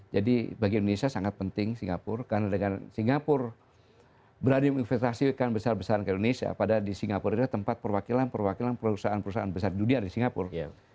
jadi bagi indonesia sangat penting singapura karena dengan singapura berani investasikan besar besaran ke indonesia padahal di singapura itu tempat perwakilan perwakilan perusahaan perusahaan besar dunia di singapura